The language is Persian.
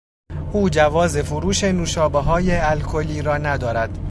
او جواز فروش نوشابههای الکلی را ندارد.